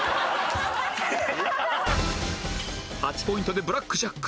８ポイントでブラックジャック